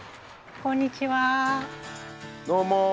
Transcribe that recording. こんにちは。